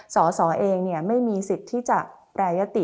สสเองไม่มีสิทธิ์ที่จะแปรยติ